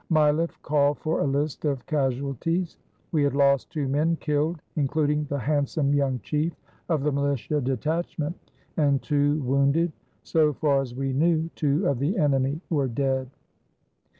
Mileff called for a list of casual ties. We had lost two men killed, including the hand some young chief of the militia detachment, and two wounded. So far as we knew, two of the enemy were dead.